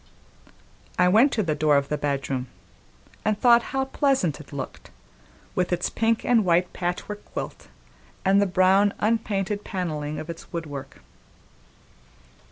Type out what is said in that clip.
I went to the door of the bedroom, and thought how pleasant it looked, with its pink and white patchwork quilt and the brown unpainted paneling of its woodwork.